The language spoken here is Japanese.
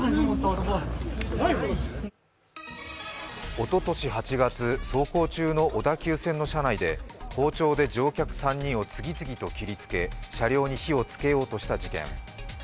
おととし８月、走行中の小田急線の車内で包丁で乗客３人を次々と切りつけ車両に火をつけようとした事件。